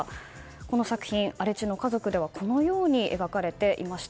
この作品の中ではこのように描かれていました。